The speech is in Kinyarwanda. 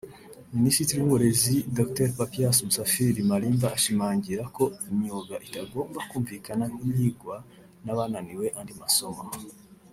Minisitiri w’uburezi Dr Papias Musafiri Malimba ashimangira ko imyuga itagomba kumvikana nk’iyigwa n’abananiwe andi masomo